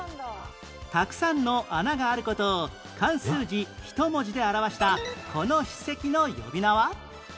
たくさんの穴がある事を漢数字１文字で表したこの史跡の呼び名は？